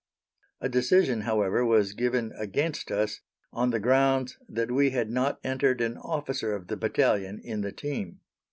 A decision, however, was given against us, on the grounds that we had not entered an officer of the battalion in the team.